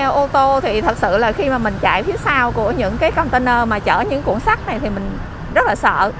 xe ô tô thì thật sự là khi mà mình chạy phía sau của những cái container mà chở những cuộn sắt này thì mình rất là sợ